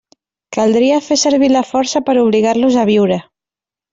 Caldria fer servir la força per a obligar-los a viure.